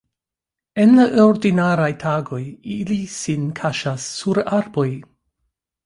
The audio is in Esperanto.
En la ordinaraj tagoj ili sin kaŝas sur arboj.